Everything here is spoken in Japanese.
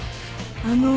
あの。